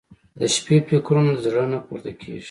• د شپې فکرونه د زړه نه پورته کېږي.